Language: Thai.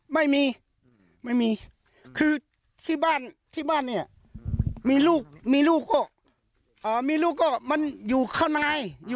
ไม่มีคือที่บ้านมีลูกมันอยู่ข้าวน้าย